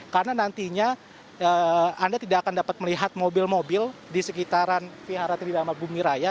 karena nantinya anda tidak akan dapat melihat mobil mobil di sekitaran vihara tridharma bumiraya